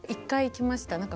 １回行きました。